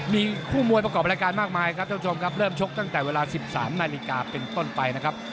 มีคู่มวยประกอบรายการมากมายครับท่านผู้ชมครับเริ่มชกตั้งแต่เวลา๑๓นาฬิกาเป็นต้นไปนะครับ